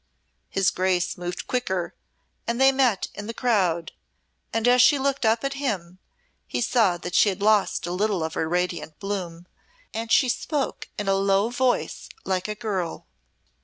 His Grace moved quicker and they met in the crowd, and as she looked up at him, he saw that she had lost a little of her radiant bloom, and she spoke in a low voice like a girl.